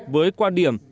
với quan điểm